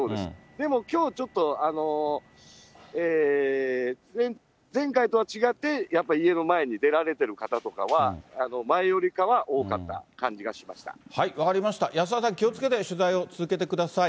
でもきょうちょっと、前回とは違って、やっぱ家の前に出られている方とかは、前よりかは多かった感じが分かりました、安田さん、気をつけて取材を続けてください。